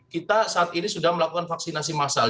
kita saat ini sudah melakukan vaksinasi massal